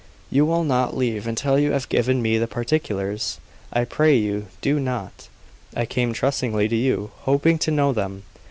"You will not leave until you have given me the particulars! I pray you, do not! I came trustingly to you, hoping to know them."